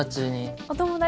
お友達。